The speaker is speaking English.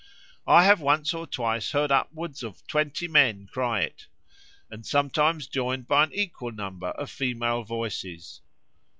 I have once or twice heard upwards of twenty men cry it, and sometimes joined by an equal number of female voices.